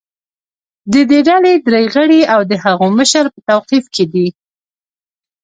د دې ډلې درې غړي او د هغو مشر په توقیف کې دي